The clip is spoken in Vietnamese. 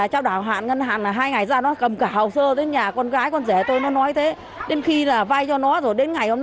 hơn năm tỷ đồng